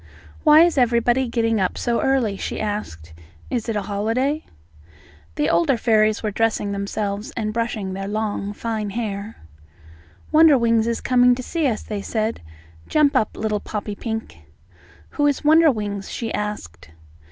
"Why is everybody getting up so early?" she asked. "Is it a holiday?" The older fairies were dressing themselves and brushing their long fine hair. "Wonderwings is coming to see us," they said. "Jump up, little Poppypink." "Who is Wonderwings?" she asked.